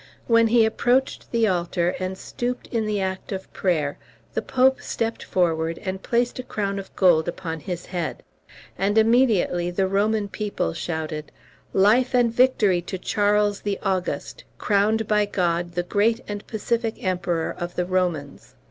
When he approached the altar and stooped in the act of prayer the Pope stepped forward and placed a crown of gold upon his head; and immediately the Roman people shouted, "Life and victory to Charles the August, crowned by God the great and pacific Emperor of the Romans."